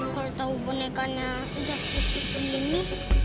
kalau tahu bonekanya udah putih putih gini